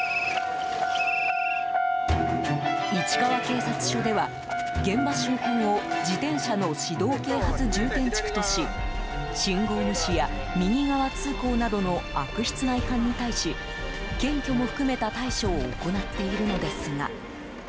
市川警察署では、現場周辺を自転車の指導啓発重点地区とし信号無視や右側通行などの悪質な違反に対し検挙も含めた対処を行っているのですが。